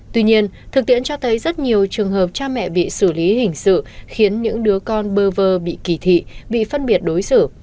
tuy nhiên thực tiễn cho thấy rất nhiều trường hợp cha mẹ bị xử lý hình sự khiến những đứa con bơ vơ bị kỳ thị bị phân biệt đối xử